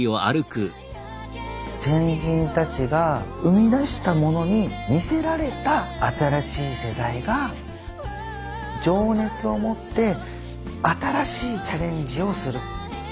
先人たちが生み出したものに魅せられた新しい世代が情熱を持って新しいチャレンジをする。